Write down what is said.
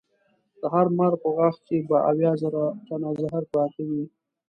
د هر مار په غاښ کې به اویا زره ټنه زهر پراته وي.